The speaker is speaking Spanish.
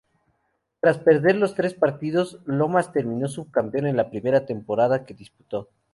Tras perder los tres partidos, Lomas terminó subcampeón en la primera temporada que disputó.